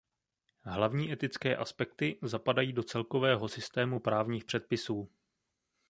Hlavní etické aspekty zapadají do celkového systému právních předpisů.